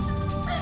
anak asok deh